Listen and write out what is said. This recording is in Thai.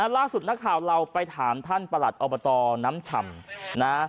ล่าสุดนักข่าวเราไปถามท่านประหลัดอบตน้ำฉ่ำนะ